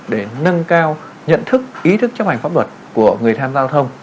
để nâng cao nhận thức ý thức chấp hành pháp luật của người tham gia giao thông